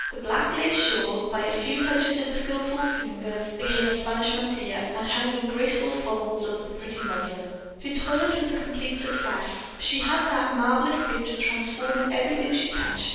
The black lace shawl, by a few touches of the skillful fingers, became a Spanish mantilla, and hung in graceful folds over the pretty muslin. Her toilet was a complete success; she had that marvelous gift of transforming everything she touched.